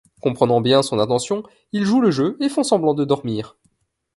Comprenant bien son intention, ils jouent le jeu et font semblant de dormir.